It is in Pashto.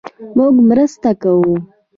مونږ مرسته کوو